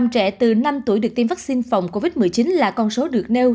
một mươi trẻ từ năm tuổi được tiêm vaccine phòng covid một mươi chín là con số được nêu